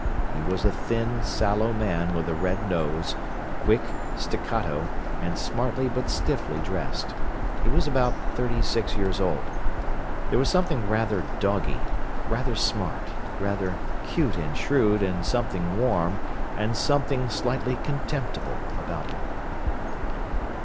He was a thin, sallow man with a red nose, quick, staccato, and smartly but stiffly dressed. He was about thirty six years old. There was something rather "doggy", rather smart, rather 'cute and shrewd, and something warm, and something slightly contemptible about him.